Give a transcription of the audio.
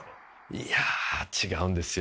いや違うんですよ。